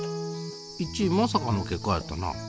１位まさかの結果やったな。